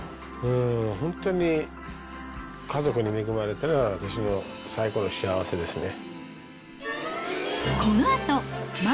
本当に家族に恵まれたのが私の最高の幸せですね。